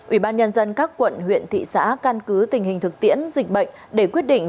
ubnd các quận huyện thị xã căn cứ tình hình thực tiễn dịch bệnh để quyết định